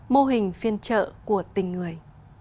mô hình phiên trợ của tình người